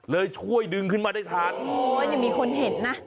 ช่วยดึงขึ้นมาได้ทันโอ้ยยังมีคนเห็นนะ